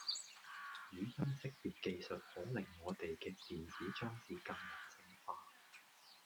語音識別技術可令我地既電子裝置更人性化